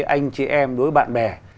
anh chị em đối với bạn bè